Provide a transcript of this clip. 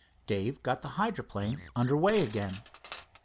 Dave got the hydroplane under way again.